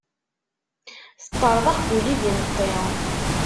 Teṭṭerḍeq Guli d imeṭṭi.